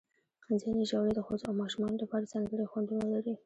ځینې ژاولې د ښځو او ماشومانو لپاره ځانګړي خوندونه لري.